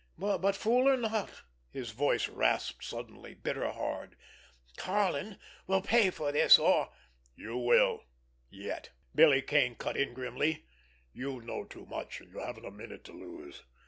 But fool, or not"—his voice rasped suddenly, bitter hard—"Karlin will pay for this, or——" "You will—yet!" Billy Kane cut in grimly. "You know too much, and you haven't a minute to lose.